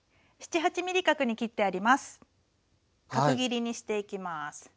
角切りにしていきます。